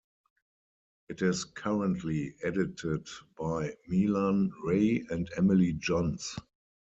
It is currently edited by Milan Rai and Emily Johns.